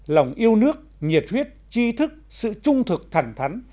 lòng yêu nước nhiệt huyết chi thức sự trung thực thẳng thắn